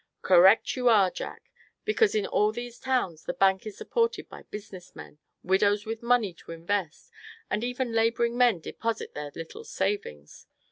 "Correct you are, Jack; because in all these towns the bank is supported by business men, widows with money to invest, and even laboring men deposit their little savings.